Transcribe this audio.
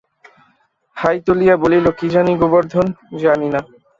High তুলিয়া বলিল, কি জানি গোবর্ধন, জানি না।